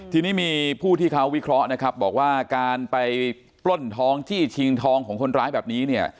ทีนี้มีผู้ที่เขาวิเคราะห์นะครับบอกว่าการไปปล้นทองจี้ชิงทองของคนร้ายแบบนี้เนี่ย